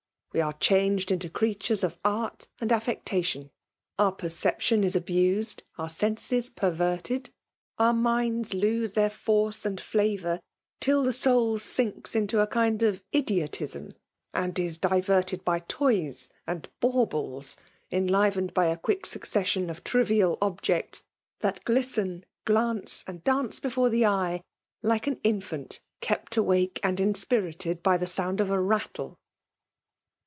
We are changed into creatures of art and affectation ; our perception is abused ; our senses perverted ; our minds lose their force and flavour — till the soul sinks into a kind of idiotism, and is diverted by toys and baubles, enlivened by a quick succession of trivial objects that glisten^ glance, and dance before the eye — ^like an iaiaut kept awake and inspirited by the sound of a rattle.